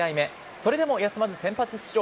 それでも休まず先発出場。